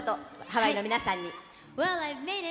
ハワイの皆さんに。